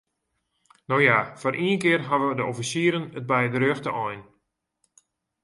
No ja, foar ien kear hawwe de offisieren it by de rjochte ein.